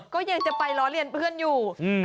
ก็ยังจะไปล้อเลียนเพื่อนอยู่